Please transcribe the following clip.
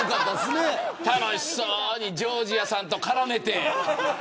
楽しそうにジョージアさんと絡めて。